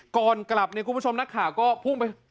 ก่อนกลับเนี่ยคุณผู้ชมนักข่าวก็พุ่งไป